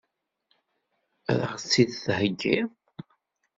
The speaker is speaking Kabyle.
Ad ɣ-tt-id-theggiḍ?